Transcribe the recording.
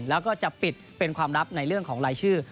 แล้วก็จะปิดเป็นความลับในเรื่องของรายชื่อ